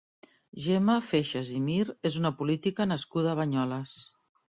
Gemma Feixas i Mir és una política nascuda a Banyoles.